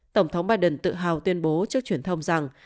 tổng thống biden tự hào tuyên bố trước truyền thông rằng